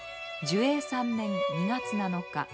寿永３年２月７日。